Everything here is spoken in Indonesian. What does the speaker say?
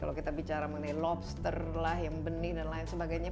kalau kita bicara mengenai lobster lah yang benih dan lain sebagainya